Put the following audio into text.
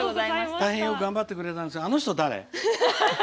大変よく頑張ってくれたんですがあの人、誰？